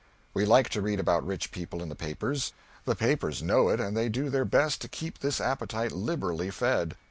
We like to read about rich people in the papers; the papers know it, and they do their best to keep this appetite liberally fed.